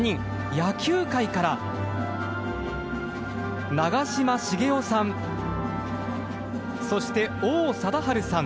野球界から長嶋茂雄さんそして王貞治さん